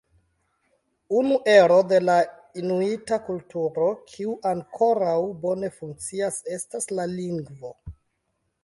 Unu ero de la inuita kulturo kiu ankoraŭ bone funkcias estas la lingvo.